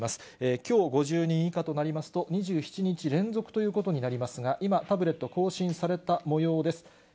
きょう５０人以下となりますと、２７日連続ということになりますが、今、タブレット更新されたもようです。